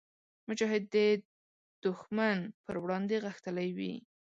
مجاهد د ښمن پر وړاندې غښتلی وي.